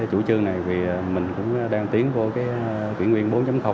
cái chủ trương này thì mình cũng đang tiến vô cái quyển nguyên bốn